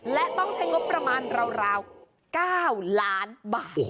และต้องใช้งบประมาณราว๙ล้านบาท